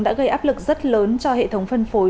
đã gây áp lực rất lớn cho hệ thống phân phối